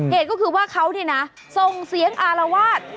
เหตุก็คือว่าเขาเนี่ยนะส่งเสียงอารวาส